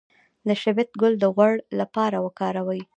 د شبت ګل د غوړ لپاره وکاروئ